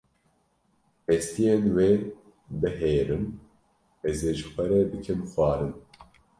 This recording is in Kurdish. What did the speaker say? hestiyên wê bihêrim, ez ê ji xwe re bikim xwarin.